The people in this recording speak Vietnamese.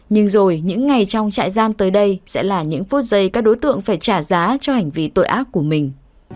nhưng rồi những ngày trong trại giam tới đây sẽ là những phút giây các đối tượng phải trả giá cho hành vi tội ác của mình